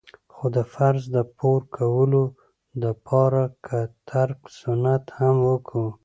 خو د فرض د پوره کولو د پاره که ترک سنت هم وکو.